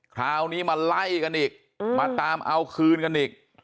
คราวนี้มาไล่กันอีกมาตามเอาคืนกันอีก